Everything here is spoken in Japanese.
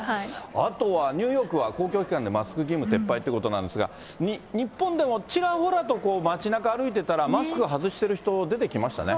あとはニューヨークは公共機関でマスク義務撤廃ということなんですが、日本でもちらほらと、街なか歩いてたら、マスクを外してる人、出てきましたね。